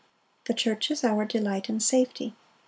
The church is our delight and safety.